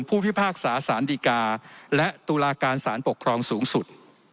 พิพากษาสารดีกาและตุลาการสารปกครองสูงสุด